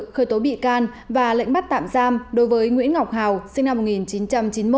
khởi tố bị can và lệnh bắt tạm giam đối với nguyễn ngọc hào sinh năm một nghìn chín trăm chín mươi một